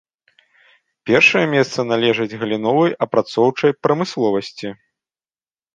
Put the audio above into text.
Першае месца належыць галіновай апрацоўчай прамысловасці.